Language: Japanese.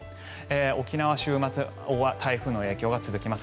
沖縄は週末台風の影響が続きます。